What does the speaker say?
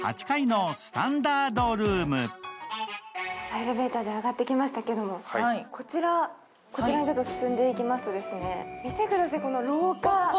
エレベーターで上がってきましたけれども、こちらに進んでいきますと、見てください、この廊下。